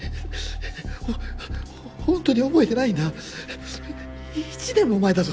ほ本当に覚えてないんだ１年も前だぞ。